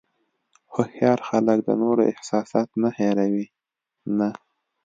هوښیار خلک د نورو احساسات نه هیروي نه.